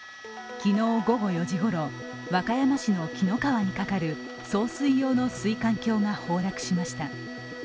昨日午後４時頃、和歌山市の紀の川にかかる送水用の水管橋が崩落しました。